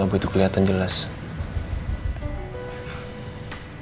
dia tidak seperti yang terlambat